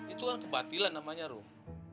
itu kan kebatilan namanya rom